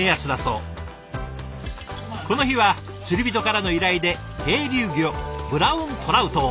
この日は釣り人からの依頼で渓流魚ブラウントラウトを。